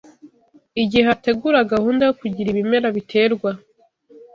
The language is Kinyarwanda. Igihe hategura gahunda yo kugira ibimera biterwa